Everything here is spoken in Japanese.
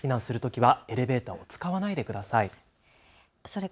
避難するときはエレベーターを使わないでください。